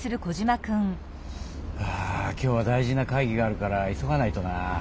あ今日は大事な会議があるから急がないとな。